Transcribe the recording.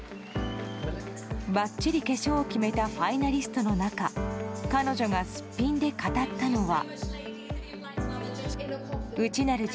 ばっちり化粧を決めたファイナリストの中彼女がすっぴんで語ったのは。